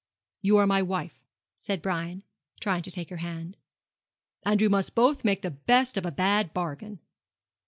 'You are my wife,' said Brian, trying to take her hand; 'and we must both make the best of a bad bargain.'